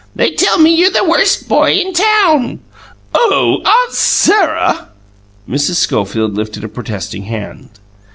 They tell me you're the Worst Boy in Town." "Oh, Aunt Sarah!" Mrs. Schofield lifted a protesting hand.